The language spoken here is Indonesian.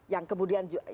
yang kemudian juga